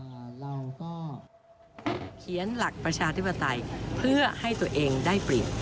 เราก็เขียนหลักประชาธิปไตยเพื่อให้ตัวเองได้เปรียบ